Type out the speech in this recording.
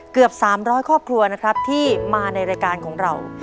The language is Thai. เกือบ๓๐๐ครอบครัวนะครับที่มาในรายการของเรา